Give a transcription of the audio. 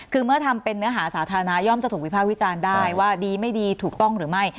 คือเมื่อทำเป็นเนื้อหาสาธารณะย่อมจะถูกวิภาควิจารณ์ได้ว่าดีไม่ดีถูกต้องหรือไม่